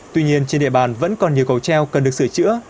tuy nhiên trên địa bàn vẫn còn nhiều cầu treo cần được sửa chữa